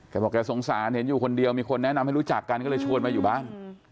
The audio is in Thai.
บอกแกสงสารเห็นอยู่คนเดียวมีคนแนะนำให้รู้จักกันก็เลยชวนมาอยู่บ้าน